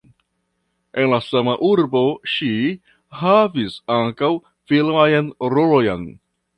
En la sama urbo ŝi havis ankaŭ filmajn rolojn.